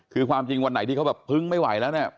คือความจริงวันไหนที่เขาแบบพึ้งไม่ไหวแล้วเนี่ย